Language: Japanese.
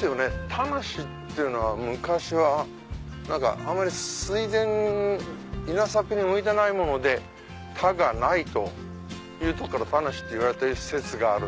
田無っていうのは昔はあんまり稲作に向いてないもので「田がない」というとこから田無って言われてる説がある。